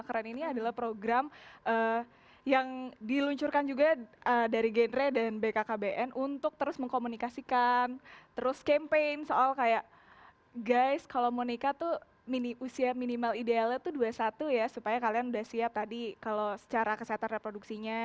dua ribu satu ratus dua puluh lima keren ini adalah program yang diluncurkan juga dari genre dan bkkbn untuk terus mengkomunikasikan terus campaign soal kayak guys kalau monika tuh usia minimal idealnya tuh dua ribu satu ratus dua puluh satu ya supaya kalian sudah siap tadi kalau secara kesehatan reproduksinya